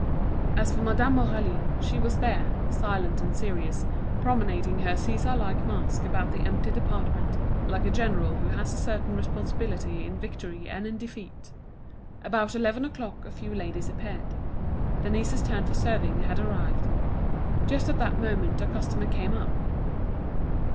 As for Madame Aurélie, she was there, silent and serious, promenading her Caesar like mask about the empty department, like a general who has a certain responsibility in victory and in defeat. About eleven o'clock a few ladies appeared. Denise's turn for serving had arrived. Just at that moment a customer came up.